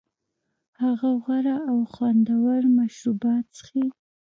هغه غوره او خوندور مشروبات څښي